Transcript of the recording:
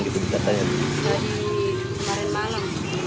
dari kemarin malam